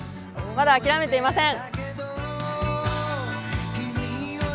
まだ諦めていません！